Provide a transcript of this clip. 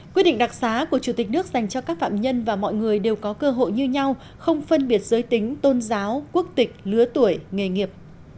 quyết định đặc xá của chủ tịch nước dành cho các phạm nhân và mọi người đều có cơ hội như nhau không phân biệt giới tính tôn giáo quốc tịch lứa tuổi nghề nghiệp